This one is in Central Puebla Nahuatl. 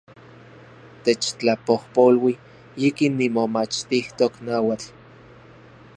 Techtlapojpolui, yikin nimomachtijtok nauatl